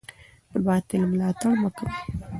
د باطل ملاتړ مه کوئ.